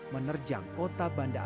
menerjang kota bandar jawa